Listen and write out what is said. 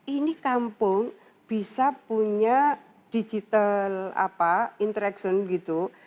ini kampung bisa punya digital interaction gitu